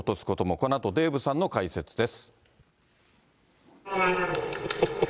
このあとデーブさんの解説です。